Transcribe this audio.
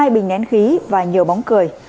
hai bình nén khí và nhiều bóng cười